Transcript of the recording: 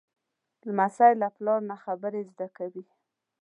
لمسی له پلار نه خبرې زده کوي.